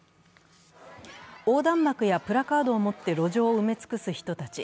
横断幕やプラカードを持って路上を埋め尽くす人たち。